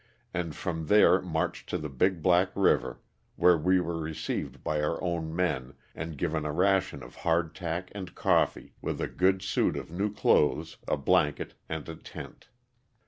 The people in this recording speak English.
and from there marched to the Big Black Hiver, where we were received by our own men, and given a ration of hard tack and coffee, with a good suit of new clothes, a blanket and a tent.